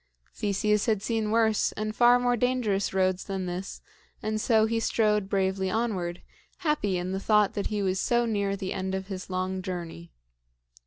Theseus had seen worse and far more dangerous roads than this, and so he strode bravely onward, happy in the thought that he was so near the end of his long journey.